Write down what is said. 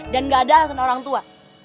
dan gak ada alasan orang tua